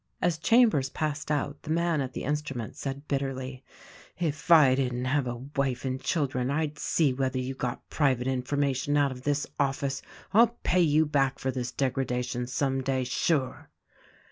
As Chambers passed out, the man at the instrument said bitterly, "If I didn't have a wife and children I'd see whether you got private information out of this office. I'll pay you back for this degradation some day, sure